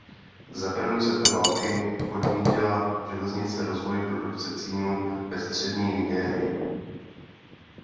Za první světové války podnítila železnice rozvoj produkce cínu ve střední Nigérii.